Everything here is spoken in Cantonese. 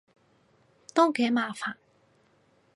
都幾麻煩